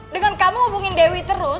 dengan kamu hubungin dewi terus